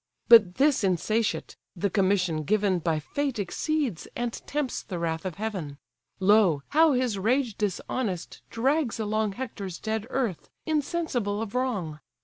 But this insatiate, the commission given By fate exceeds, and tempts the wrath of heaven: Lo, how his rage dishonest drags along Hector's dead earth, insensible of wrong!